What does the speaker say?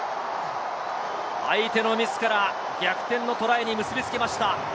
相手のミスから逆転のトライに結びつけました。